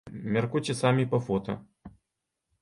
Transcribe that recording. Мяркуйце самі па фота.